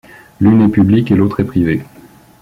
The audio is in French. L'une est publique et l'autre est privée.